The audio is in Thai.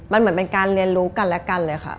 มันเหมือนเป็นการเรียนรู้กันและกันเลยค่ะ